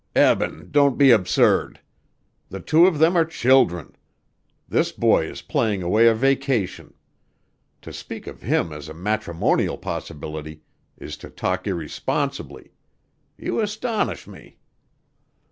"Eben, don't be absurd. The two of them are children. This boy is playing away a vacation. To speak of him as a matrimonial possibility is to talk irresponsibly. You astonish me!"